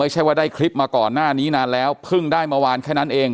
ไม่ใช่ว่าได้คลิปมาก่อนหน้านี้นานแล้วเพิ่งได้เมื่อวานแค่นั้นเอง